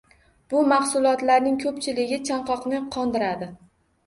Bu mahsulotlarning koʻpchiligi chanqoqni qondiradi